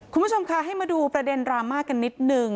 คุณผู้ชมคะให้มาดูประเด็นดราม่ากันนิดนึง